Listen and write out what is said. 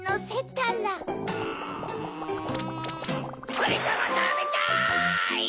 オレさまたべたい！